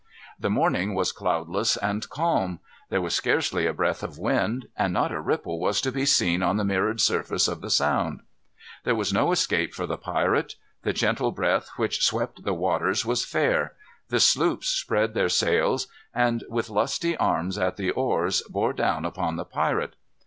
The morning was cloudless and calm. There was scarcely a breath of wind; and not a ripple was to be seen on the mirrored surface of the Sound. There was no escape for the pirate. The gentle breath which swept the waters was fair. The sloops spread their sails, and with lusty arms at the oars bore down upon the pirate.